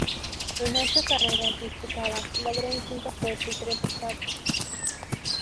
En ocho carreras disputadas, logró un quinto puesto y tres octavos.